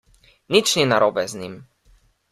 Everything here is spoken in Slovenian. Nič ni narobe z njim.